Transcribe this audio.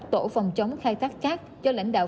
tổ phòng chống khai thác cát cho lãnh đạo